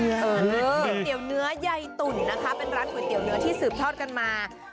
ก๋วยเตี๋ยวเนื้อใยตุ่นนะคะเป็นร้านก๋วยเตี๋ยเนื้อที่สืบทอดกันมา